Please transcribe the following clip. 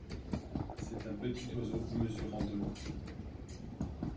C'est un petit oiseau mesurant de long.